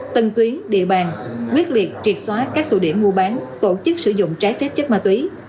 tân tuyến địa bàn quyết liệt triệt xóa các tụ điểm mua bán tổ chức sử dụng trái phép chất ma túy